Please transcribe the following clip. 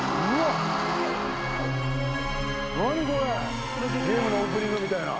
叩拭海ゲームのオープニングみたいな。